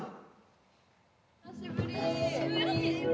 久しぶり。